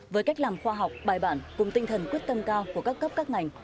với cách làm khoa học bài bản cùng tinh thần quyết tâm cao của các cấp các ngành